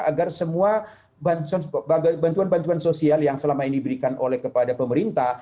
agar semua bantuan bantuan sosial yang selama ini diberikan oleh kepada pemerintah